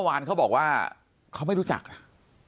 ปากกับภาคภูมิ